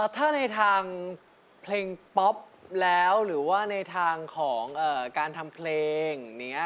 ถ้าในทางเพลงป๊อปแล้วหรือว่าในทางของการทำเพลงอย่างนี้